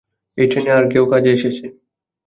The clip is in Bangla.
এই ট্রেনে আরো কেউ কাজে এসেছে।